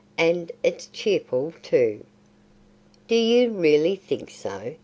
"And it's cheerful, too." "Do you really think so?"